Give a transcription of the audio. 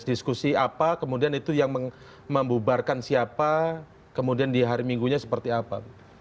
diskusi apa kemudian itu yang membubarkan siapa kemudian di hari minggunya seperti apa